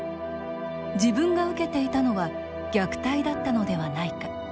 自分が受けていたのは虐待だったのではないか。